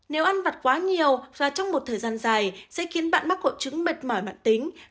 nếu ăn vặt quá nhiều và trong một thời gian dài sẽ khiến bạn mắc hội chứng mệt mỏi mạn tính